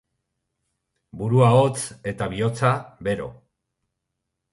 Burua hotz eta bihotza bero.